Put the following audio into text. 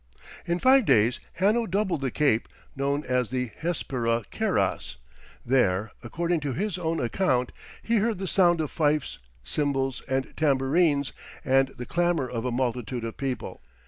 In five days, Hanno doubled the Cape, known as the Hespera Keras, there, according to his own account, "he heard the sound of fifes, cymbals, and tambourines, and the clamour of a multitude of people."